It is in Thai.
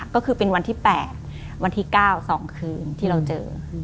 ก็คือเป็นวันที่๘วันที่๙๒คืนที่เราเจอ